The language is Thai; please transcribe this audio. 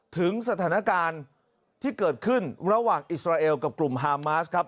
ถึงสถานการณ์ที่เกิดขึ้นระหว่างอิสราเอลกับกลุ่มฮามาสครับ